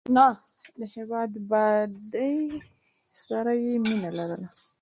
د هېواد بادۍ سره یې مینه لرله.